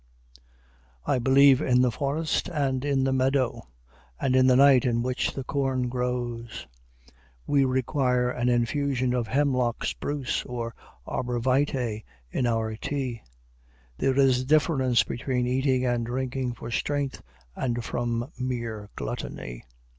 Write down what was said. I believe in the forest, and in the meadow, and in the night in which the corn grows. We require an infusion of hemlock spruce or arbor vitæ in our tea. There is a difference between eating and drinking for strength and from mere gluttony.